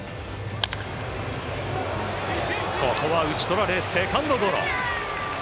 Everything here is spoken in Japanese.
ここは打ち取られセカンドゴロ。